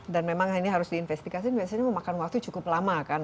dan memang ini harus diinvestigasi biasanya memakan waktu cukup lama kan